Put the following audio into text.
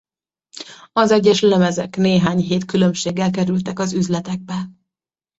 Az egyes lemezek néhány hét különbséggel kerültek az üzletekbe.